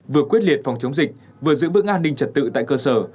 vừa quyết liệt phòng chống dịch vừa giữ vững an ninh trật tự tại cơ sở